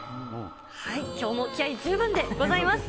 きょうも気合い十分でございます。